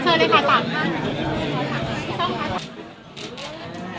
ขอบคุณครับ